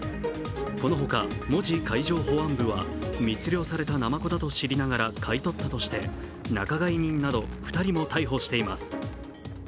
この他、門司海上保安部は密漁されたなまこだと知りながら買い取ったとして仲買人など２人も逮捕しています。